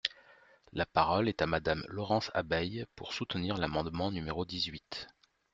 La parole est à Madame Laurence Abeille, pour soutenir l’amendement numéro dix-huit.